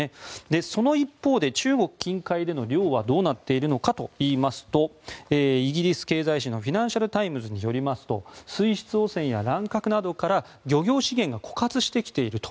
その一方で、中国近海での漁はどうなっているかといいますとイギリス経済紙のフィナンシャル・タイムズによりますと水質汚染や乱獲から漁業資源が枯渇してきていると。